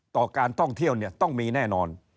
ต่อการท่องเที่ยวต้องมีแน่นอน